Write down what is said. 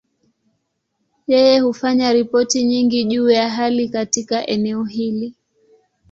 Yeye hufanya ripoti nyingi juu ya hali katika eneo hili.